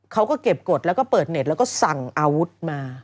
เขาก็เก็บกฎแล้วก็เปิดเน็ตแล้วก็สั่งอาวุธมา